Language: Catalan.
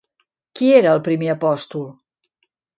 Qui era el primer apòstol?